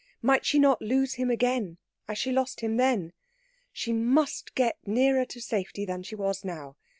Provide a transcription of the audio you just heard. Might she not lose him again, as she lost him then? She must get nearer to safety than she was now.